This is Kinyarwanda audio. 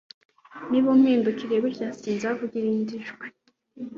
Niba umpindukiriye gutya sinzavuga irindi jambo